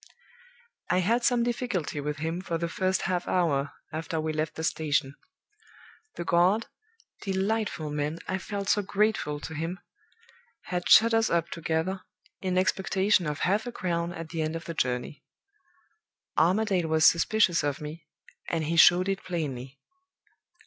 "I had some difficulty with him for the first half hour after we left the station. The guard (delightful man! I felt so grateful to him!) had shut us up together, in expectation of half a crown at the end of the journey. Armadale was suspicious of me, and he showed it plainly.